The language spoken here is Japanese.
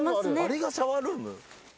あれがシャワールーム？